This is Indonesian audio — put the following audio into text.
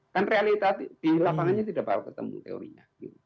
kan realita di lapangannya tidak baru ketemu teorinya